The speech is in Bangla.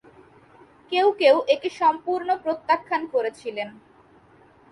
কেউ কেউ একে সম্পূর্ণ প্রত্যাখ্যান করেছিলেন।